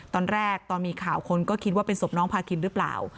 ตอนแรกตอนมีข่าวคนก็คิดว่าเป็นศพน้องพาคินหรือเปล่า